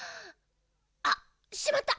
あしまった！